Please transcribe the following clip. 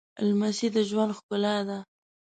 لمسی د ژوند ښکلا ده